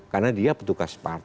karena dia petugas partai